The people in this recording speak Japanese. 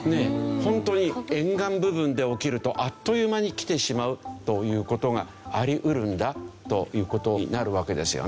本当に沿岸部分で起きるとあっという間に来てしまうという事があり得るんだという事になるわけですよね。